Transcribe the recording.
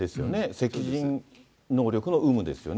責任能力の有無ですよね。